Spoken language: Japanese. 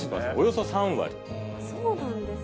そうなんですね。